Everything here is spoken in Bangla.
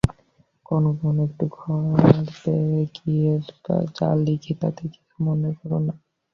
কখনও কখনও একটু ঘাবড়ে গিয়ে যা লিখি, তাতে কিছু মনে কর না।